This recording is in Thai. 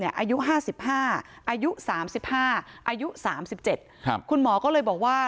อายุ๕๕อายุ๓๕อายุ๓๗คุณหมอก็เลยบอกว่า